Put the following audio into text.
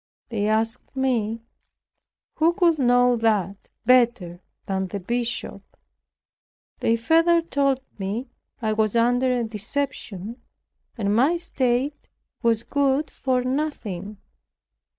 They asked me, "Who could know that better than the bishop?" They further told me, "I was under a deception, and my state was good for nothing."